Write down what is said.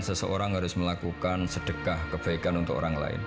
seseorang harus melakukan sedekah kebaikan untuk orang lain